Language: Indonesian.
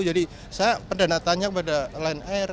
jadi saya perdana tanya pada line air